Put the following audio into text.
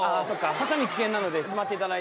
はさみ危険なのでしまっていただいて。